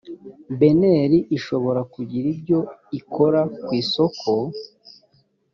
bnr ishobora kugira ibyo ikora ku isoko